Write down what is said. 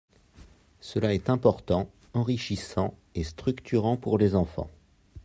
Cela est important, enrichissant et structurant pour les enfants.